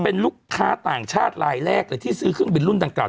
เป็นลูกค้าต่างชาติลายแรกเลยที่ซื้อเครื่องบินรุ่นดังกล่า